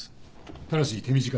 ただし手短に。